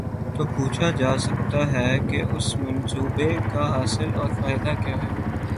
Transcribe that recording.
تو پوچھا جا سکتا ہے کہ اس منصوبے کاحاصل اور فائدہ کیا ہے؟